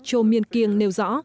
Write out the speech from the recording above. cho miên kiên nêu rõ